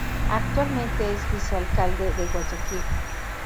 Actualmente es Vicealcalde de Guayaquil.